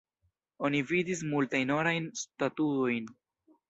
Oni vidis multajn orajn statuojn.